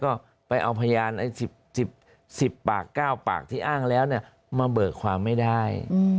ก็ไปเอาพยาน๑๐ปาก๙ปากที่อ้างแล้วมาเบิกความไม่ได้